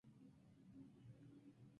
Su ciudad capital es la ciudad de Quneitra.